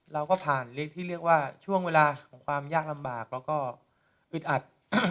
เราก็ผ่านเลขที่เรียกว่าช่วงเวลาของความยากลำบากแล้วก็อึดอัด